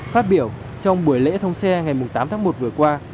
phát biểu trong buổi lễ thông xe ngày tám tháng một vừa qua